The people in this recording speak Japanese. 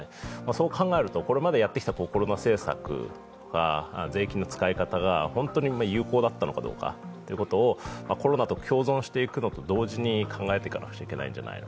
そう考えるとこれまでやってきたコロナ政策税金の使い方が本当に有効だったのかどうかということをコロナと共存していくのと同時に考えていかなきゃいけない。